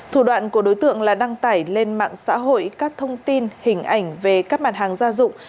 thủ đoạn của đối tượng là đăng tải lên mạng xã hội các thông tin hình ảnh về các mặt hàng gia dụng